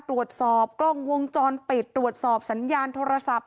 ตรวจสอบกล้องวงจรปิดตรวจสอบสัญญาณโทรศัพท์